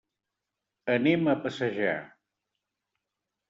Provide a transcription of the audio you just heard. Anem a passejar.